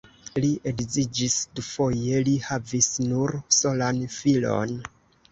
Li edziĝis dufoje, li havis nur solan filon.